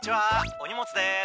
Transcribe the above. お荷物です。